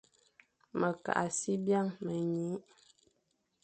Me kagh a si byañ, me nyiñé,